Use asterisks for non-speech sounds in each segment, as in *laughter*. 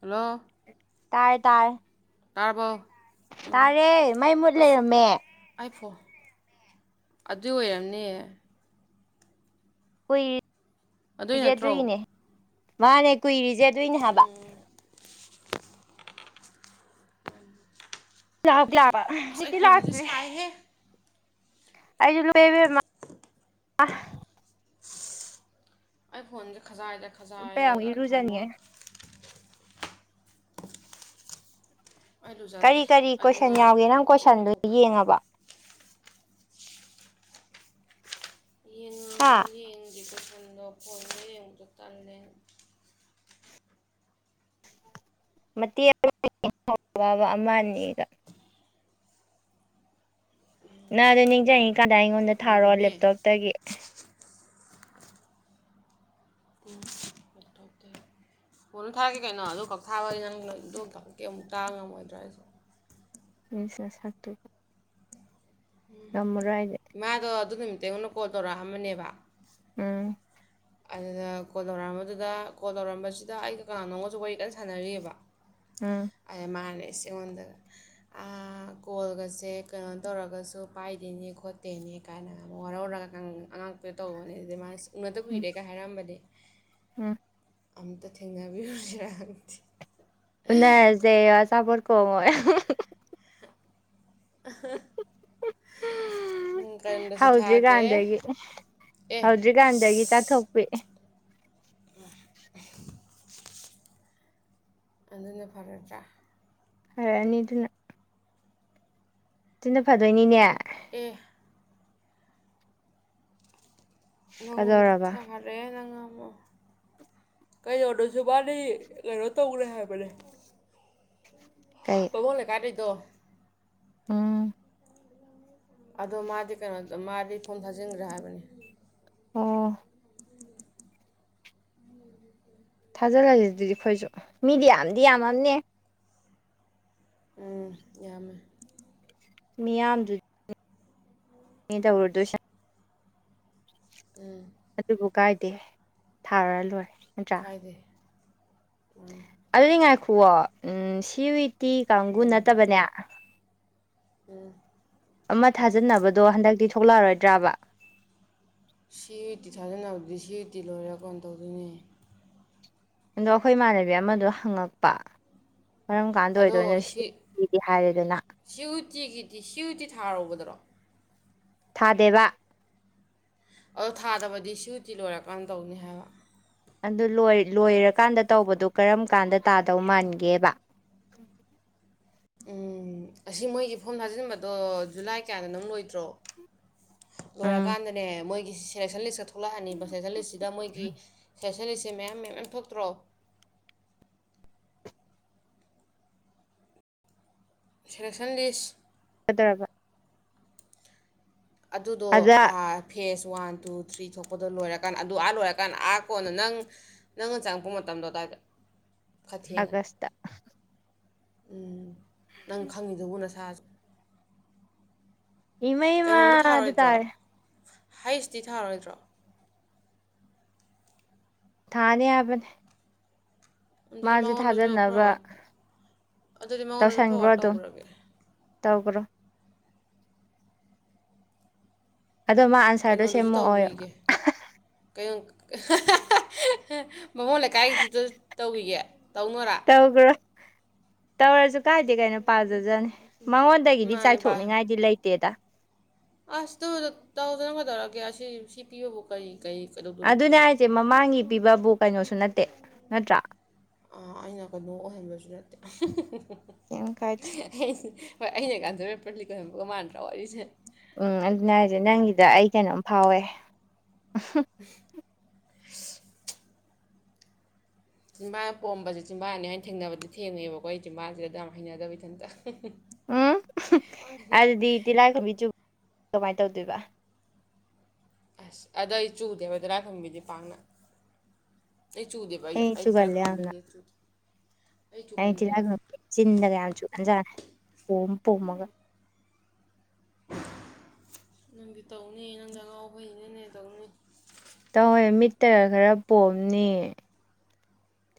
hello ꯇꯥꯏ ꯇꯥꯏ ꯇꯥꯄ ꯇꯥꯔꯦ ꯃꯥꯏ ꯃꯨꯠ ꯂꯩꯔꯝꯃꯦ ꯍꯥꯏꯐꯣ ꯑꯗꯨꯏ ꯑꯣꯏꯔꯝꯅꯦ ꯀꯨꯏꯔꯤ ꯑꯗꯨꯏ ꯅꯠꯇ꯭ꯔꯣ ꯆꯦꯗꯣꯏꯅꯦ ꯃꯥꯅꯦ ꯀꯨꯏꯔꯤ ꯆꯦꯗꯣꯏꯅꯦ ꯍꯥꯏꯕ ꯌꯥ ꯌꯥꯕ ꯑꯁ ꯑꯩ ꯐꯣꯟꯁꯦ ꯂꯥꯛꯇ꯭ꯔꯤ ꯁꯥꯏꯍꯦ ꯑꯩ ꯑꯩ ꯐꯣꯟꯁꯦ ꯈꯖꯥꯏꯗ ꯎꯞꯄꯌꯥꯃꯨꯛ ꯈꯖꯥꯏꯔꯒ ꯊꯝꯃꯣ ꯏꯔꯨꯖꯅꯤꯡꯉꯦ ꯑꯩ ꯂꯨꯖꯗ꯭ꯔꯤ ꯀꯔꯤ ꯀꯔꯤ ꯑꯩꯁꯦ ꯀꯣꯏꯁꯟ ꯉꯔꯥꯡ ꯌꯥꯎꯒꯦ ꯍꯜꯂꯛ ꯅꯪ ꯄꯨꯂꯞ ꯀꯣꯏꯁꯟꯗꯨ ꯂꯨꯖꯊꯣꯛꯄꯅꯤ ꯌꯦꯡꯉꯕ ꯍꯥ ꯌꯦꯟꯉ ꯌꯦꯡꯒꯤꯀꯦꯁꯟꯗꯣ ꯐꯣꯟꯗ ꯌꯦꯡꯉꯗ ꯇꯜꯂꯦ ꯃꯇꯦꯛ ꯑꯃꯕ ꯑꯃꯅꯦꯗ ꯅꯪ ꯑꯗꯨꯣ ꯅꯤꯡꯁꯤꯡꯉꯤ ꯀꯥꯟꯗꯥꯏ ꯑꯩꯉꯣꯟꯗ ꯊꯥꯔꯣꯑꯣ ꯌꯦꯡꯗꯦꯃꯦ ꯂꯦꯞꯇꯣꯞꯇꯒꯤ ꯀꯣ ꯑꯣꯏꯊꯣꯛꯀ ꯀꯣꯟꯅ ꯊꯥꯒꯦ ꯀꯩꯅꯣ ꯑꯗꯨ ꯈꯛ ꯊꯥꯕꯩ ꯅꯪꯗꯛ ꯀꯦ ꯑꯃꯨꯛ ꯇꯥꯕ ꯉꯝꯃꯣꯏꯗ꯭ꯔꯥ ꯑꯩꯁꯨꯦ ꯃꯤꯁꯦ ꯁꯔꯇ ꯑꯩꯗꯤ ꯎꯝ ꯏꯃꯥꯗꯣ ꯑꯗꯨ ꯅꯨꯃꯤꯠꯇꯉꯣꯟꯗ ꯀꯣꯜ ꯇꯧꯔꯛꯑꯝꯕꯅꯦꯕ ꯎꯝ ꯑꯗꯨꯅ ꯀꯣꯜ ꯇꯧꯔꯛꯑꯝꯕꯗꯨꯗ ꯀꯣꯜ ꯇꯧꯔꯝꯕꯁꯤꯗ ꯑꯩꯒ ꯀꯅꯥꯥ ꯅꯣꯡꯒꯁꯨ ꯋꯥꯔꯤ ꯀꯟꯅ ꯁꯥꯟꯅꯔꯤꯑꯕ ꯎꯝ ꯑ ꯃꯥꯅꯦ ꯁꯤꯉꯣꯟꯗꯒ ꯀꯣꯜꯒꯁꯦ ꯀꯩꯅꯣ ꯇꯧꯔꯒꯁꯨ ꯄꯥꯏꯗꯦꯅꯦ ꯈꯣꯠꯇꯦꯅꯦ ꯀꯥꯏꯅ ꯑꯃ ꯋꯥꯔꯧꯔꯒ ꯑꯉꯥꯡꯄꯗ ꯇꯧꯕꯅꯦ ꯑꯗꯨꯗꯤ ꯃꯥꯅ ꯎꯅꯗ ꯎꯝ ꯀꯨꯏꯔꯦꯒꯥꯏ ꯍꯥꯏꯔꯝꯕꯗꯤ ꯎꯝ ꯑꯝꯇ ꯊꯦꯡꯅꯕꯤꯔꯨꯁꯔꯗꯤ ꯖꯦ ꯑ ꯆꯥ ꯀꯧꯕ ꯑ ꯀꯩꯅꯣꯗꯁꯨ ꯊꯥꯒꯦ ꯑꯦ ꯍꯧꯗ꯭ꯔꯤꯀꯥꯟꯗꯒꯤ ꯑꯦ ꯆꯥꯊꯣꯛꯄꯤꯑꯦ ꯑ ꯑꯗꯨꯅ ꯐꯔꯗ꯭ꯔꯥ ꯍꯅꯤꯗꯨꯅ ꯁꯤꯟꯅ ꯐꯗꯣꯏꯅꯤꯅꯦ ꯑꯦ ꯅꯪꯉꯣꯟꯗ ꯀꯗꯧꯔꯕ ꯊꯥꯔꯦ ꯅꯪ ꯑꯃꯃꯣ ꯀꯩꯧꯔꯗꯁꯨ ꯃꯥꯕꯥꯂꯤ ꯀꯩꯅꯣ ꯇꯧꯈ꯭ꯔꯦ ꯍꯥꯏꯕꯅꯦ ꯀꯩ ꯇꯉꯣ ꯂꯩꯀꯥꯏꯗꯗꯣ ꯎꯝ ꯑꯗꯣ ꯃꯥꯗꯤ ꯀꯩꯅꯣꯗꯣ ꯃꯥꯗꯤ ꯊꯣꯡ ꯊꯥꯖꯤꯟꯈ꯭ꯔꯦ ꯍꯥꯏꯕꯅꯤ ꯑꯣ ꯊꯥꯖꯤꯜꯂꯁꯤꯦ ꯑꯗꯨꯗꯤ ꯑꯩꯈꯣꯏꯁꯨ ꯃꯤꯗꯤ ꯌꯥꯝꯗꯤ ꯌꯥꯝꯃꯝꯅꯦ ꯎꯝ ꯌꯥꯝꯃꯦ ꯃꯤꯌꯥꯝꯁꯨ ꯃꯤꯗ ꯎꯔꯗꯨꯨ ꯎꯝ ꯑꯗꯨꯕꯨ ꯀꯥꯏꯗꯦ ꯊꯥꯔ ꯂꯣꯏꯔꯦ ꯅꯠꯇ꯭ꯔꯥ ꯀꯥꯏꯗꯦ ꯑꯗꯨꯗꯤ ꯉꯥꯏꯈꯨꯑꯣꯣ ꯁꯤꯋꯤ ꯇꯤ ꯀꯥꯡꯒꯨ ꯅꯠꯇꯕꯅꯦ ꯎ ꯑꯃ ꯊꯥꯖꯕꯗꯣ ꯍꯟꯗꯛꯇꯤ ꯊꯣꯛꯂꯛꯑꯔꯣꯏꯗ꯭ꯔꯕ ꯁꯤ ꯇꯤ ꯊꯥꯖꯅꯕꯗꯤ ꯁꯤ ꯨꯇꯤ ꯂꯣꯏꯔꯦ ꯀꯣꯟ ꯇꯧꯗꯣꯏꯅꯦ ꯑꯗꯣ ꯑꯩꯈꯣꯏ ꯏꯃꯥꯟꯅꯕꯤ ꯑꯃꯗꯣ ꯍꯪꯉꯛꯄ ꯃꯔꯝ ꯀꯥꯟꯗ ꯑꯣꯏꯗꯣꯏ ꯁꯤꯗꯤ ꯍꯥꯏꯔꯦꯗꯅ ꯁꯤꯌꯎꯇꯤꯒꯤꯗꯤ ꯁꯤꯌꯨꯇꯤ ꯊꯥꯔꯨꯗꯔꯣ ꯊꯥꯗꯦꯕ ꯑꯗ ꯊꯥꯗꯕꯗꯤ ꯁꯨꯇꯤ ꯂꯣꯏꯔꯀꯥꯟꯗ ꯇꯧꯅꯤ ꯍꯥꯏꯕ ꯑꯗꯨ ꯂꯣꯏꯔꯀꯥꯟꯗ ꯇꯧꯕꯗꯣ ꯀꯔꯝ ꯀꯥꯟꯗ ꯇꯥꯗꯧ ꯃꯥꯟꯒꯦꯕ ꯎꯝ ꯑꯁꯤ ꯃꯣꯏꯒꯤ ꯐꯣꯝ ꯊꯥꯖꯤꯟꯕꯗꯣ ꯖꯨꯂꯥꯏ ꯀꯌꯥꯗ ꯅꯪ ꯂꯣꯏꯗ꯭ꯔꯣ ꯎꯝ ꯂꯣꯏꯔꯀꯥꯟꯗꯅꯦ ꯃꯣꯏꯒꯤ ꯁꯦꯂꯦꯛꯁꯟ ꯂꯤꯁꯀ ꯊꯣꯛꯂꯛꯑꯅꯤꯕ ꯁꯦꯁꯟ ꯂꯤꯁꯁꯤꯗ ꯃꯣꯏꯒꯤ ꯁꯦꯁꯟ ꯂꯤꯁꯁꯦ ꯃꯌꯥꯝ ꯃꯌꯥꯝ ꯃꯌꯥꯝ ꯊꯣꯛꯇ꯭ꯔꯣ ꯁꯦꯂꯛꯁꯟ ꯂꯤꯁ ꯀꯩꯗꯧꯔꯕ ꯑꯗꯨꯗꯣ ꯑꯗ ꯐꯦꯁ ꯋꯥꯟ ꯇꯨ ꯊ꯭ꯔꯤ ꯊꯣꯛꯄꯗꯣ ꯂꯣꯏꯔꯀꯥꯟꯗ ꯑꯗꯨ ꯑꯥ ꯂꯣꯏꯔꯀꯥꯟꯗ ꯑꯥ ꯀꯣꯟꯅ ꯅꯪ ꯅꯪꯅ ꯆꯪꯉꯛꯄ ꯃꯇꯝꯗꯣ ꯑꯗꯥꯏꯗ ꯑꯒꯁꯇ ꯎꯝ ꯅꯪ ꯈꯪꯉꯤꯗꯕꯨ ꯅꯁꯥꯁꯨ ꯀꯩꯅꯣꯝꯗꯤ ꯏꯃꯩꯃ ꯑꯗꯨ ꯊꯥꯔꯣꯏꯗ꯭ꯔꯣ ꯇꯥꯔꯦ ꯍꯩꯁꯇꯤ ꯊꯥꯔꯣꯏꯗ꯭ꯔꯣ ꯊꯥꯅꯤ ꯍꯥꯏꯕꯅꯦ ꯑꯗꯨꯗꯤ ꯃꯥꯁꯨ ꯃꯉꯣꯟꯗꯁꯨ ꯊꯥꯖꯅꯕ ꯐꯣꯔꯋꯥꯔꯗ ꯑꯗꯨꯗꯤ ꯃꯉꯣꯟꯗꯁꯨ ꯇꯧꯁꯟꯈ꯭ꯔꯣ ꯐꯣꯔꯋꯥꯔꯗ ꯑꯗꯨꯝ ꯇꯧꯈ꯭ꯔꯒꯦ ꯇꯧꯈ꯭ꯔꯣ ꯑꯗꯣ ꯃꯥ ꯑꯟꯁꯔꯗꯣ ꯀꯩꯅꯣꯗꯁꯨ ꯁꯦꯝꯃꯛꯑꯣ ꯇꯧꯒ꯭ꯔꯤꯒꯦ ꯀꯣ ꯕꯥꯃꯣꯟ ꯂꯩꯀꯥꯏ ꯑꯖꯤꯠꯇꯣ ꯇꯧꯈꯤꯒꯦ ꯇꯧꯅꯣꯔꯥ ꯇꯧꯒꯔꯣ ꯇꯧꯔꯁꯨ ꯀꯥꯏꯗꯦ ꯀꯩꯅꯣ ꯄꯥꯖꯖꯅꯤ ꯃꯉꯣꯟ ꯗꯒꯤꯗꯤ ꯃꯥꯅꯦ ꯆꯥꯏꯊꯣꯛꯅꯤꯡꯉꯥꯏꯗꯤ ꯂꯩꯇꯦꯗ ꯑꯁꯇꯧ ꯇꯧꯗꯅꯒꯗꯧꯔꯑꯒꯦ ꯑꯁꯤ ꯁꯤ ꯄꯤꯕꯕꯨ ꯀꯔꯤ ꯀꯔꯤ ꯑꯗꯨꯅꯦ ꯀꯩꯗꯧꯗꯣꯔꯤꯒꯦ ꯍꯥꯏꯁꯦ ꯃꯃꯥꯡꯒꯤ ꯄꯤꯕꯕꯨ ꯀꯩꯅꯣꯁꯨ ꯅꯠꯇꯦ ꯅꯠꯇ꯭ꯔꯥ ꯑꯩꯅ ꯀꯩꯅꯣ ꯑꯣꯏꯍꯟꯕꯁꯨ ꯅꯠꯇꯦ ꯀꯩꯝ ꯀꯥꯏꯗꯦ ꯍꯣꯏ ꯑꯩꯅ ꯀꯥꯟꯗꯔꯦ ꯄ꯭ꯔꯂꯤꯛ ꯀ ꯑꯣꯏꯕꯒ ꯃꯥꯟꯅꯗ꯭ꯔꯥ ꯋꯥꯔꯤꯁꯦ ꯎꯝ ꯑꯗꯨꯅ ꯍꯥꯏꯔꯤꯁꯦ ꯅꯪꯒꯤꯗ ꯑꯩ ꯀꯩꯅꯣꯝ ꯐꯥꯎꯋꯦ *inaudible* ꯆꯤꯟꯝꯕꯥꯥ ꯄꯣꯝꯕꯁꯦ ꯆꯤꯝꯕꯥꯥꯅꯤ ꯍꯥꯏꯅ ꯊꯦꯡꯅꯕꯗꯤ ꯊꯦꯡꯉꯦꯕꯀꯣ ꯑꯩ ꯆꯤꯝꯕꯥꯥꯁꯤꯗ ꯑꯗꯨ ꯌꯥꯝ ꯍꯩꯅꯗꯕ ꯏꯊꯟꯇ ꯎꯝ ꯑꯗꯨꯗꯤ ꯇꯤꯜꯂꯥꯏ ꯈꯣꯝꯕꯤ ꯆꯨ ꯀꯃꯥꯏꯅ ꯇꯧꯗꯣꯏꯕ ꯑꯁ ꯑꯗꯣ ꯑꯩ ꯆꯨꯗꯦꯕ ꯇꯤꯜꯍꯥꯏ ꯈꯨꯝꯕꯤꯗꯤ ꯄꯥꯛꯅ ꯑꯩ ꯆꯨꯗꯦꯕ ꯑꯩ ꯆꯨꯒꯜꯂꯦ ꯌꯥꯝꯅ ꯇꯤꯜꯍꯥꯏꯈꯨꯝꯕꯤ ꯆꯨꯗꯦ ꯑꯩ ꯇꯤꯜꯍꯥꯢꯈꯨꯝꯕꯤ ꯆꯤꯟꯗꯒ ꯌꯥꯝ ꯆꯨꯒꯟꯖꯅꯤ ꯄꯣꯝ ꯄꯣꯝꯃꯒ ꯅꯪꯗꯤ ꯇꯧꯅꯤ ꯅꯪꯗꯤ ꯑꯉꯥꯎ ꯐꯩꯅꯅꯦ ꯇꯧꯅꯤ ꯇꯧꯋꯦ ꯃꯤꯠꯇꯒ ꯈꯔ ꯄꯣꯝꯅꯤ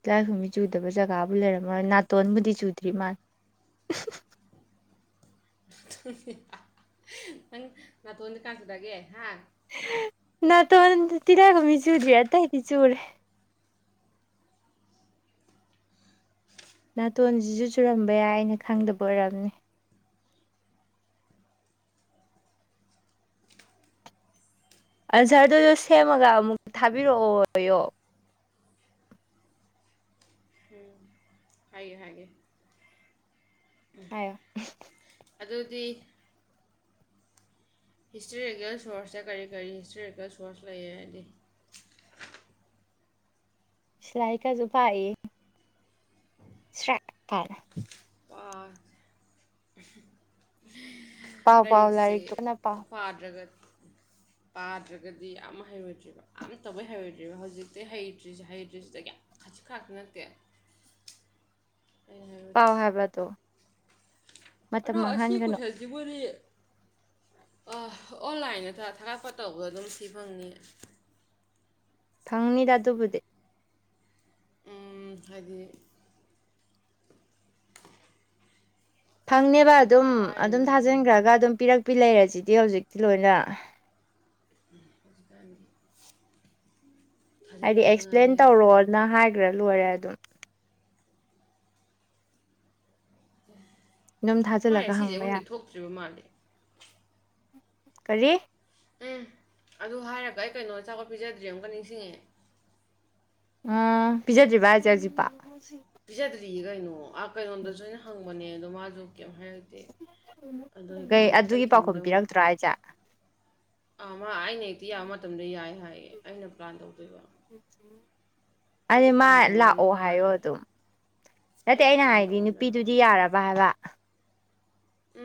ꯇꯤꯜꯍꯥꯏꯈꯨꯝꯕꯤ ꯆꯨꯗꯕ ꯖꯒꯥꯕꯨ ꯂꯩꯔꯝꯃꯣꯏ ꯅꯥꯇꯣꯟꯕꯨꯗꯤ ꯆꯨꯗ꯭ꯔꯤ ꯃꯥꯜꯂꯤ ꯅꯪ ꯅꯥꯇꯣꯟꯗꯤ ꯀꯅꯥꯆꯨꯅꯒꯦ ꯍꯥ ꯅꯥꯇꯣꯟꯗꯤ ꯇꯤꯜꯍꯥꯏꯈꯨꯝꯕꯤ ꯆꯨꯗꯔ꯭ꯤ ꯑꯇꯩꯗꯤꯆꯨꯔꯦ ꯅꯥꯇꯣꯟꯁꯤꯁꯨ ꯆꯨꯔꯝꯕ ꯌꯥꯏ ꯑꯩꯅ ꯈꯪꯗꯕ ꯑꯣꯏꯔꯝꯅꯤ ꯑꯟꯁꯔꯗꯨꯗꯣ ꯁꯦꯝꯃꯒ ꯑꯃꯨꯛꯛ ꯊꯥꯕꯤꯔꯛꯑꯣꯌꯣ ꯎꯝ ꯍꯥꯏꯒꯦ ꯍꯥꯏꯒꯦ ꯎꯝ ꯍꯥꯏꯌꯣ ꯑꯗꯨꯗꯤ ꯍꯤꯁꯇꯣꯔꯤꯀꯦꯜ ꯁꯣꯔꯁꯁꯦ ꯀꯔꯤ ꯀꯔꯤ ꯍꯤꯁꯇꯣꯔꯤꯀꯦꯜ ꯁꯣꯔꯁ ꯂꯩ ꯍꯥꯏꯔꯗꯤ ꯏꯁ ꯂꯥꯏꯔꯤꯛꯀꯁꯨ ꯄꯥꯏꯌꯦ ꯁ꯭ꯔꯦꯛ ꯀꯥꯏꯅ ꯄꯥꯎ ꯄꯥꯎ ꯂꯥꯏꯔꯤꯛꯁꯦ ꯂꯥꯏꯔꯤꯛꯇꯣ ꯀꯟꯅ ꯄꯥꯎ ꯄꯥꯗ꯭ꯔꯒꯗꯤ ꯄꯥꯗ꯭ꯔꯒꯗꯤ ꯌꯥꯝ ꯍꯩꯔꯣꯏꯗ꯭ꯔꯤꯕ ꯑꯝꯇꯕꯧ ꯍꯩꯔꯣꯏꯗ꯭ꯔꯤꯕ ꯍꯧꯖꯤꯛꯇꯩꯍꯩꯇ꯭ꯔꯤꯁꯦ ꯍꯩꯇ꯭ꯔꯤꯁꯤꯗꯒꯤ ꯈꯖꯤꯛ ꯈꯔꯥꯛꯇ ꯅꯠꯇꯦ ꯑꯩꯅ ꯄꯥꯎ ꯍꯩꯔꯣꯏꯗ꯭ꯔꯤꯁꯦ ꯍꯥꯏꯕ ꯑꯗꯣ ꯑꯗꯣ ꯑꯁꯤ ꯀꯣꯏꯁꯟ ꯁꯤꯕꯨꯗꯤ ꯑꯣꯟꯂꯥꯏꯟꯗ ꯊꯥꯒꯠꯄ ꯇꯧꯕꯗꯣ ꯑꯗꯨꯝ ꯁꯤ ꯐꯪꯅꯤ ꯐꯪꯅꯤꯗ ꯑꯗꯨꯕꯨꯗꯤ ꯎ ꯍꯥꯏꯗꯤ ꯐꯪꯅꯦꯕ ꯑꯗꯨꯝ ꯂꯥꯏꯅ ꯑꯗꯨꯝ ꯐꯪꯉꯦ ꯊꯥꯖꯤꯟꯈ꯭ꯔꯒ ꯑꯗꯨꯝ ꯄꯤꯔꯛꯄꯤ ꯂꯩꯔꯁꯤꯗꯤ ꯍꯧꯖꯤꯛꯇꯤ ꯂꯣꯏꯅ ꯍꯧꯖꯤꯀꯅꯤ ꯍꯥꯏꯗꯤ ꯑꯦꯛꯁꯄ꯭ꯂꯦꯟ ꯇꯧꯔꯣꯅ ꯍꯥꯏꯈ꯭ꯔ ꯂꯣꯏꯔꯦ ꯑꯗꯨꯝ ꯑꯗꯨꯝ ꯎ ꯃꯥꯅꯦ ꯊꯥꯖꯤꯜꯂꯒ ꯁꯤꯁꯦ ꯍꯪꯕ ꯌꯥ ꯑꯩꯉꯣꯟꯗꯩ ꯊꯣꯛꯇ꯭ꯔꯤꯕ ꯃꯥꯜꯂꯦ ꯀꯔꯤ ꯎꯝ ꯑꯗꯨ ꯍꯥꯏꯔꯒ ꯑꯩ ꯀꯩꯅꯣ ꯑꯆꯥꯈꯠꯄꯤꯤꯖꯗ꯭ꯔꯤ ꯑꯃꯨꯛꯀ ꯅꯤꯡꯁꯤꯡꯉꯑꯦ ꯎ ꯄꯤꯖꯗ꯭ꯔꯤꯕ ꯍꯥꯏꯁꯦ ꯍꯧꯖꯤꯛꯄ ꯄꯤꯖꯗ꯭ꯔꯤꯌꯦ ꯀꯩꯅꯣ ꯑꯥ ꯀꯩꯅꯣꯗꯁꯨ ꯑꯩꯅ ꯍꯪꯕꯅꯦ ꯑꯗꯣ ꯃꯥꯁꯨ ꯀꯦꯝ ꯍꯥꯏꯔꯗꯦ ꯑꯗꯣ ꯀꯩ ꯑꯗꯨꯒꯤ ꯄꯥꯎꯈꯨꯝ ꯑꯩꯊꯟꯗ ꯃꯨꯛ ꯄꯤꯔꯛꯇ꯭ꯔꯣ ꯍꯥꯏꯁꯦ ꯑꯥ ꯃꯥ ꯑꯩꯅ ꯍꯦꯛꯇꯤ ꯌꯥꯕ ꯃꯇꯝꯗ ꯌꯥꯏ ꯍꯥꯏꯌꯦ ꯑꯩꯅ ꯄ꯭ꯂꯥꯟ ꯇꯧꯗꯣꯏꯕ ꯑ ꯑꯩꯁꯨ ꯃꯥ ꯄ꯭ꯂꯥꯟ ꯇꯧꯃꯟꯗꯅ ꯂꯥꯛꯑꯣ ꯍꯥꯏꯌꯣ ꯋꯥꯔꯦ ꯑꯗꯨꯝ ꯅꯠꯇꯦ ꯑꯩꯁꯨ ꯑꯩꯅ ꯄ꯭ꯂꯥꯟ ꯍꯥꯏꯗꯤ ꯇꯧꯃꯟꯗꯅ ꯅꯨꯄꯤꯗꯨꯗꯤ ꯍꯣꯁꯄꯤꯇꯥꯜ ꯌꯥꯔꯕ ꯍꯥꯏꯕ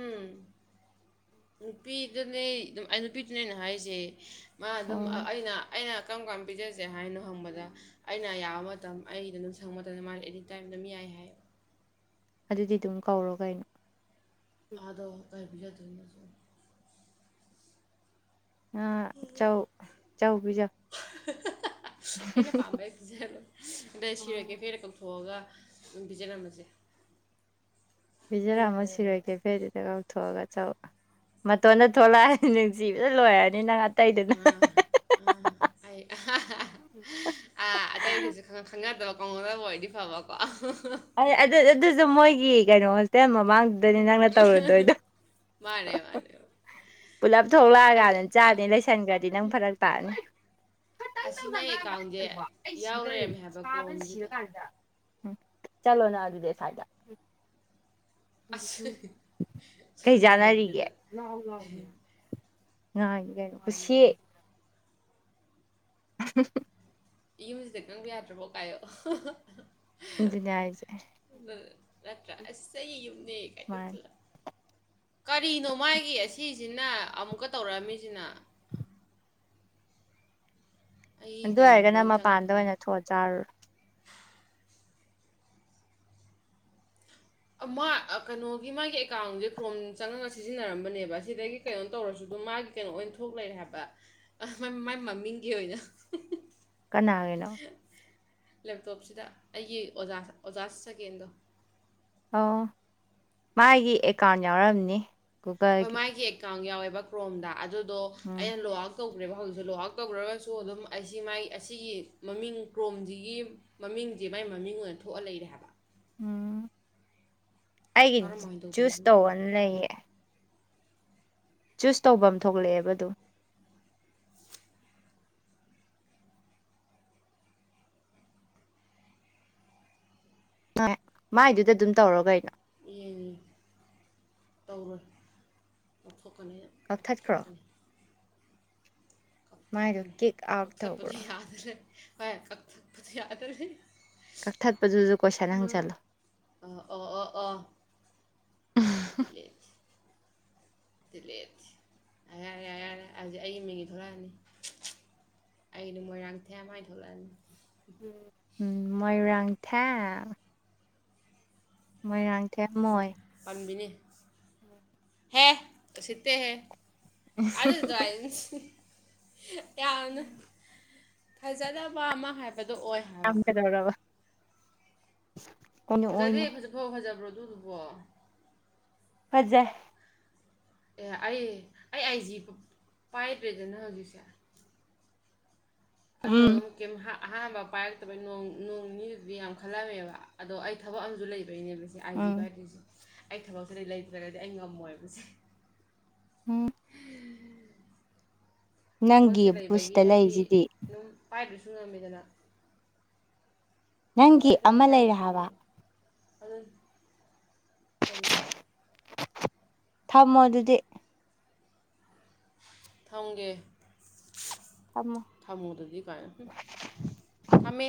ꯎꯝ ꯅꯨꯄꯤꯗꯨꯅꯦ ꯑꯗꯨꯝ ꯑꯩ ꯅꯨꯄꯤꯗꯨꯅꯦꯩꯅ ꯍꯥꯏꯁꯦ ꯃꯥ ꯑꯗꯨꯝ ꯑꯣ ꯑꯩꯅ ꯑꯩꯅ ꯀꯔꯝ ꯀꯔꯝ ꯄꯤꯖꯁꯦ ꯍꯥꯏꯅꯣ ꯍꯪꯕꯗ ꯑꯩꯅ ꯌꯥꯕ ꯃꯇꯝ ꯑꯩꯗ ꯑꯗꯨꯝ ꯁꯪꯕ ꯃꯇꯝꯗ ꯃꯥꯅ ꯑꯦꯅꯤꯇꯥꯏꯝ ꯑꯗꯨꯝ ꯌꯥꯏ ꯍꯥꯏ ꯑꯗꯨꯗꯤ ꯑꯗꯨꯝ ꯀꯧꯔꯣ ꯀꯩꯅꯣ ꯑꯥꯗꯣ ꯇꯔꯕꯤꯗꯨꯖ ꯑ ꯆꯧ ꯆ ꯄꯤꯖ ꯑꯩꯅ ꯄꯥꯝꯕꯩ ꯄ ꯑꯗꯩ ꯁꯤꯔꯛꯒꯦ ꯐꯦꯔ ꯀꯧꯊꯣꯛꯑꯒ ꯑꯗꯨꯝ ꯄꯤꯖꯜꯔꯃꯁꯦ ꯤꯖꯔꯥ ꯑꯃ ꯁꯤꯔꯣꯏ ꯀꯦꯐꯦꯗꯨꯗ ꯀꯥꯎꯊꯣꯛꯑꯒ ꯆ ꯆꯥꯎꯧ ꯃꯇꯣꯟꯗ ꯊꯣꯛꯂꯛꯑ ꯅꯤꯡꯅꯨꯡꯁꯤꯤꯕꯁꯨ ꯂꯣꯏꯔꯅꯤ ꯅꯪ ꯑꯇꯩꯗꯨꯅ ꯑ ꯑꯩ ꯑꯥ ꯑꯇꯩꯗꯨꯁꯨ ꯈꯪꯅꯗꯕ ꯀꯥꯎꯅꯗꯕ ꯑꯣꯏꯗꯤ ꯐꯕꯀꯣ ꯑꯗꯨ ꯑꯗꯨꯁꯨ ꯃꯣꯏꯒꯤ ꯀꯩꯅꯣ ꯍꯣꯁꯇꯦꯜ ꯃꯃꯥꯡ ꯑꯗꯨꯗꯅꯤ ꯅꯪꯅ ꯇꯧꯔꯨꯗꯣꯏꯗꯣ ꯃꯥꯅꯦ ꯃꯥꯅꯦ ꯄꯨꯂꯞ ꯑꯁ ꯊꯣꯛꯂꯛꯑꯀꯥꯟꯗ ꯑ ꯆꯥꯅꯤ ꯂꯩꯁꯟꯈ꯭ꯔꯗꯤ ꯅꯪ ꯐꯔꯛ ꯇꯥꯛꯑꯅꯤ ꯑꯁꯤ ꯈꯇꯪꯗꯧꯅ ꯃꯥꯏ ꯉꯥꯡꯕ ꯑꯦꯀꯥꯎꯟꯁꯦ ꯈꯛꯇꯕꯣ ꯑꯩ ꯌꯥꯎ ꯁꯤꯗꯧꯔꯤ ꯂꯩꯔꯝꯃꯦ ꯍꯥꯏꯕ ꯁꯥꯕꯅ ꯀ꯭ꯔꯣꯝꯁꯤꯗ ꯁꯤꯔꯀꯥꯟꯗ ꯆꯂꯣ ꯅ ꯑꯗꯨꯗ ꯐꯥꯏꯗ ꯎ ꯑꯁ ꯎ ꯀꯩ ꯆꯥꯟꯅꯔꯤꯒꯦ ꯁꯣꯝꯅꯥꯀꯟꯒꯤꯗ ꯉꯥꯡꯅꯤ ꯀꯩꯅꯣ ꯈꯨ ꯎꯆ ꯍ ꯌꯨꯝꯖꯤꯗ ꯅꯪꯕ ꯌꯥꯗ꯭ꯔꯐꯣ ꯀꯥꯏꯌꯣ ꯕꯤꯅꯏꯖ ꯎꯠꯇ꯭ꯔ ꯌꯨꯝꯅꯦ ꯀꯥꯏ ꯃꯥ ꯇꯧꯁꯤꯜꯂ ꯀꯔꯤꯅꯣ ꯃꯥꯒꯤ ꯑꯁꯤꯁꯤꯅ ꯑꯃꯨꯛꯀ ꯇꯧꯔꯛꯑꯝꯃꯤꯁꯤꯅ ꯑꯩ ꯑꯗꯨ ꯀꯩꯅꯣꯗ ꯑꯣꯏꯔꯒꯅ ꯑꯣꯏꯅ ꯆꯪꯉ ꯃꯄꯥꯟꯗ ꯊꯝꯒꯦ ꯑꯣꯏꯅ ꯊꯣꯛꯑ ꯆꯥꯔꯨꯔꯣ ꯃꯥ ꯀꯩꯅꯣꯒꯤ ꯃꯥꯒꯤ ꯑꯦꯀꯥꯎꯟꯁꯦ ꯀ꯭ꯔꯣꯝ ꯆꯪꯉꯒ ꯁꯤꯖꯤꯟꯅꯔꯝꯕꯅꯦꯕ ꯁꯤꯗꯒꯤ ꯀꯩꯅꯣ ꯇꯧꯔꯁꯨ ꯑꯗꯨ ꯃꯥꯒꯤ ꯀꯩꯅꯣ ꯑꯣꯏꯅ ꯊꯣꯛ ꯂꯩꯔꯦ ꯍꯥꯏꯕ ꯃꯥꯏ ꯃꯃꯤꯡꯒꯤ ꯑꯣꯏꯅ ꯀꯅꯥꯒꯤꯅꯣ ꯂꯦꯞꯇꯣꯞꯁꯤꯗ ꯑꯩꯒꯤ ꯑꯣꯖ ꯑꯣꯖꯥ ꯆꯒꯦꯟꯗꯣ ꯑꯣ ꯃꯥꯒꯤ ꯑꯦꯀꯥꯎꯟ ꯌꯥꯎꯔꯝꯅꯤ ꯍꯣꯏ ꯒꯨꯒꯜꯒꯤ ꯃꯥꯒꯤ ꯑꯦꯀꯥꯎꯟ ꯌꯥꯎꯋꯦꯕ ꯀ꯭ꯔꯣꯝꯗ ꯑꯗꯨꯗꯣ ꯎꯝ ꯑꯩꯅ ꯂꯣꯛ ꯍ ꯇꯧꯈ꯭ꯔꯦꯕ ꯍꯧꯖꯤꯛ ꯂꯨꯍꯥꯛ ꯇꯧꯈ꯭ꯔꯒꯁꯨ ꯑꯗꯨꯝ ꯑꯁꯤ ꯃꯥꯏ ꯑꯁꯤꯒꯤ ꯃꯃꯤꯡ ꯀ꯭ꯔꯣꯝꯁꯤꯒꯤ ꯃꯃꯤꯡꯁꯦ ꯃꯥꯏ ꯃꯃꯤꯡ ꯑꯣꯏꯅ ꯊꯣꯛꯑ ꯂꯩꯔꯦ ꯍꯥꯏꯕ ꯎꯝ ꯑꯩꯒꯤ ꯀꯔꯝꯍꯥꯏꯅ ꯆꯨꯁ ꯇꯧꯗꯣꯔꯤꯕꯅꯣ ꯇꯧꯕꯅ ꯂꯩꯌꯦ ꯆꯨꯁ ꯇꯧꯕ ꯑꯃ ꯊꯣꯛꯂꯛꯑꯦꯕ ꯑꯗꯨ ꯃꯥꯏꯗꯨꯗ ꯑꯗꯨꯝ ꯇꯧꯔ ꯀꯩꯅꯣ ꯇꯧꯔ ꯑꯣꯊꯣꯛ ꯀꯅ ꯀꯛꯊꯠꯈ꯭ꯔꯣ ꯃꯥꯏꯗꯣ ꯀꯛꯊꯛꯀꯅꯤ ꯀꯤꯛ ꯑꯥꯎꯠ ꯀꯛꯊꯠꯄꯗ ꯇꯧꯈ꯭ꯔꯣ ꯌꯥꯗ꯭ꯔꯅꯤ ꯍꯣꯏ ꯀꯛꯊꯛꯄꯗ ꯌꯥꯗ꯭ꯔꯅꯤ ꯀꯛꯊꯠꯄꯗꯨꯁꯨ ꯀꯣꯏꯁꯟ ꯍꯪꯆꯜꯂꯣ ꯑ ꯑ ꯑ ꯑ ꯏ ꯆꯤꯜꯂꯦꯦ ꯌꯥꯔꯦ ꯌꯥꯔꯦ ꯍꯧꯖꯤꯛ ꯑꯩ ꯃꯤꯒꯤ ꯊꯣꯛꯂꯛꯑꯅꯤ ꯑꯩꯗ ꯃꯣꯏꯔꯥꯡꯊꯦꯝ ꯍꯥꯏ ꯊꯣꯛꯂꯛꯑꯅꯤ ꯎꯝ ꯃꯣꯏꯔꯪ ꯊ ꯃꯣꯏꯔꯥꯡꯊꯦꯝ ꯃꯣꯏ ꯄꯟꯕꯤꯅꯤ ꯎꯝ ꯍꯦ ꯁꯤꯠꯇꯦ ꯍꯦ ꯑꯗ ꯗ꯭ꯔ ꯌꯥꯝꯅ ꯐꯖꯗꯕ ꯑꯃ ꯍꯥꯏꯕꯗꯣ ꯑꯣꯏ ꯍꯥꯏꯕ ꯊꯝ ꯀꯗꯧꯔꯕ ꯐꯖꯗꯦ ꯐꯖ ꯐ ꯐꯖꯕ꯭ꯔꯣ ꯑꯗꯨꯗꯨꯕꯣ ꯐꯖꯩ ꯑꯦ ꯑꯩ ꯑꯩ ꯑꯥꯏ ꯖꯤ ꯄꯥꯏꯗ꯭ꯔꯦꯗꯅ ꯍꯧꯖꯤꯛꯁꯦ ꯑꯗꯣ ꯎꯝ ꯑꯍꯥꯟꯕ ꯄꯥꯏꯔꯛꯇꯕꯩ ꯅꯣꯡ ꯅꯣꯡ ꯅꯤꯗꯨꯗꯤ ꯌꯥꯝ ꯈꯜꯂꯝꯃꯦꯕ ꯑꯗꯣ ꯑꯩ ꯊꯕꯛ ꯑꯃꯁꯨ ꯂꯩꯕꯩꯅꯦ ꯑꯥꯏ ꯕ ꯎꯝ ꯍꯥꯏꯗꯁꯨ ꯑꯩ ꯊꯕꯛꯁꯤꯗꯩ ꯂꯩꯇ꯭ꯔꯒꯗꯤ ꯑꯩ ꯉꯝꯃꯣꯏꯕꯁꯦ ꯎꯝ ꯊꯕꯛꯁꯦ ꯅꯪꯒꯤꯕꯨ ꯂꯩꯕꯒꯤ ꯁꯤꯗ ꯍꯥꯏꯗꯤ ꯂꯩꯔꯤꯁꯤꯗꯤ ꯑꯗꯨꯝ ꯄꯥꯏꯕꯁꯨ ꯉꯝꯃꯦꯗꯅ ꯅꯪꯒꯤ ꯑꯃ ꯂꯩꯔꯦ ꯍꯥꯏꯕ ꯑꯗꯨ ꯀꯔꯤ ꯊꯝꯃꯣ ꯑꯗꯨꯗꯤ ꯊꯣꯡꯒꯦ ꯊꯝꯃꯣ ꯊꯝꯃꯣꯗꯗꯤ ꯀꯥꯏ ꯎꯝ ꯊꯝꯃꯦ